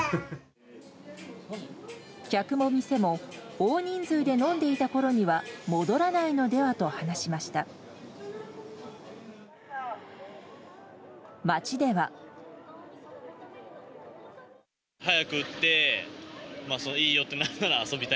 客も店も、大人数で飲んでいたころには戻らないのではと話しました。